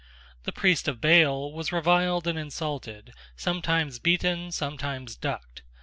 The priest of Baal was reviled and insulted, sometimes beaten, sometimes ducked.